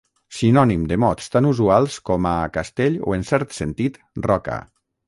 Sinònim de mots tan usuals com a castell o en cert sentit roca.